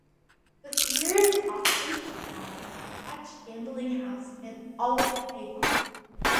The theaters often had an attached gambling house and always a bar.